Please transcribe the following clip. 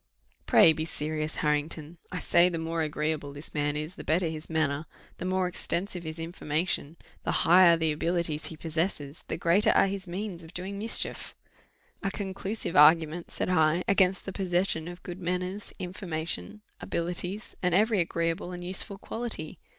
"Pray be serious, Harrington I say the more agreeable this man is, the better his manner, the more extensive his information, the higher the abilities he possesses, the greater are his means of doing mischief." "A conclusive argument," said. I, "against the possession of good manners, information, abilities, and every agreeable and useful quality!